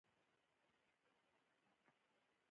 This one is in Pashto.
واکمن په یوه مهمه خبره پوهېدل.